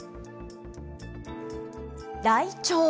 ライチョウ。